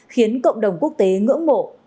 khiến cộng đồng quốc tế ngưỡng mộ